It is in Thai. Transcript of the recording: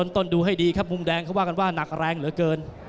ต้นดูให้ดีครับมุมแดงเขาว่ากันว่านักแรงเหลือเกิน